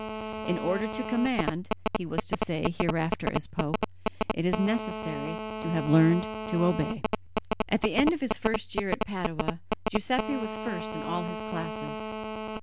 "In order to command," he was to say hereafter as pope, "it is necessary to have learned to obey." At the end of his first year at Padua, Giuseppe was first in all his classes.